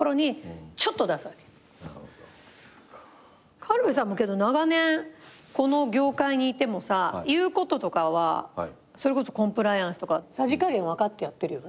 軽部さんも長年この業界にいてもさ言うこととかはそれこそコンプライアンスとかさじ加減分かってやってるよね。